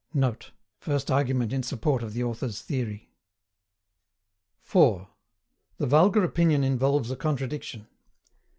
[Note: First argument in support of the author's theory.] 4. THE VULGAR OPINION INVOLVES A CONTRADICTION.